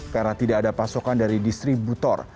karena tidak ada pasokan dari distributor